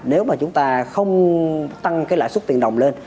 nếu mà chúng ta không tăng cái lãi suất tiền đồng lên